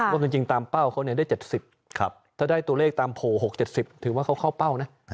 ว่าจริงตามเป้าเขาได้เจ็ดสิบถ้าได้ตัวเลขตามโผล่หกเจ็ดสิบถือว่าเขาเข้าเป้านะ